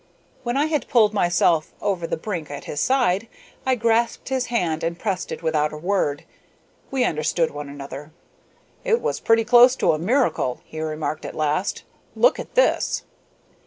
When I had pulled myself over the brink at his side I grasped his hand and pressed it without a word. We understood one another. "It was pretty close to a miracle," he remarked at last. "Look at this."